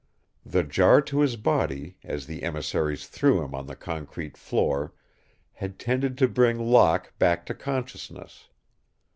The jar to his body as the emissaries threw him on the concrete floor had tended to bring Locke back to consciousness.